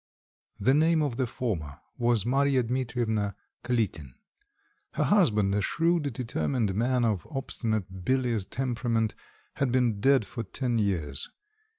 The name of the former was Marya Dmitrievna Kalitin. Her husband, a shrewd determined man of obstinate bilious temperament, had been dead for ten years.